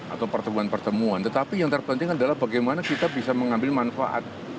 atau pertemuan pertemuan tetapi yang terpenting adalah bagaimana kita bisa mengambil manfaat